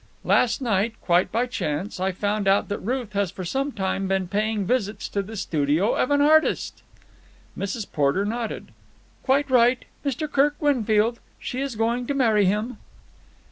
"Last night, quite by chance, I found out that Ruth has for some time been paying visits to the studio of an artist." Mrs. Porter nodded. "Quite right. Mr. Kirk Winfield. She is going to marry him."